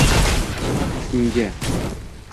ismingda